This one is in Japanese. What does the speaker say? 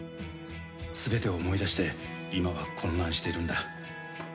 「全てを思い出して今は混乱しているんだ」